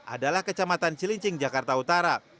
adalah kecamatan cilincing jakarta utara